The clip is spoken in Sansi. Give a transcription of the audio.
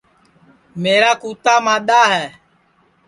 میرا کُوتا مادؔاہے